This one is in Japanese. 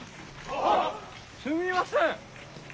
すみません